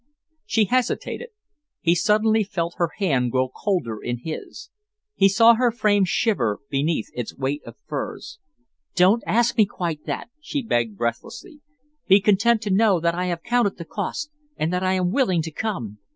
She hesitated. He suddenly felt her hand grow colder in his. He saw her frame shiver beneath its weight of furs. "Don't ask me quite that," she begged breathlessly. "Be content to know that I have counted the cost, and that I am willing to come."